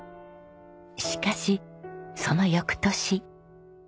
しかしその翌年。